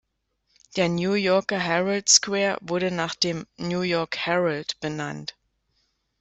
Der New Yorker Herald Square wurde nach dem "New York Herald" benannt.